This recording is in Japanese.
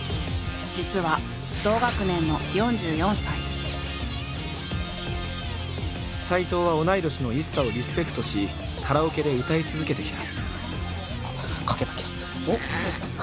実は同学年の斎藤は同い年のＩＳＳＡをリスペクトしカラオケで歌い続けてきた。